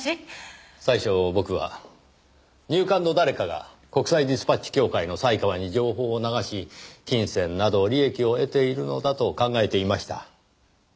最初僕は入管の誰かが国際ディスパッチ協会の犀川に情報を流し金銭など利益を得ているのだと考えていました。